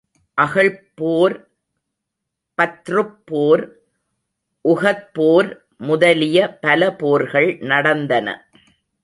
அகழ்ப் போர், பத்ருப் போர், உஹத் போர் முதலிய பல போர்கள் நடந்தன.